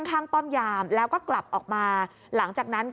ข้างป้อมยามแล้วก็กลับออกมา